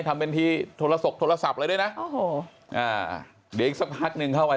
ทำเป็นทีโทรศกโทรศัพท์อะไรด้วยนะโอ้โหอ่าเดี๋ยวอีกสักพักหนึ่งเข้าไป